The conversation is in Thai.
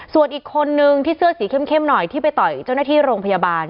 ส่วนอีกคนนึงที่เสื้อสีเข้มหน่อยที่ไปต่อยเจ้าหน้าที่โรงพยาบาล